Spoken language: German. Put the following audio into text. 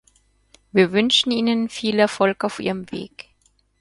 Wir wünschen Ihnen viel Erfolg auf Ihrem Weg.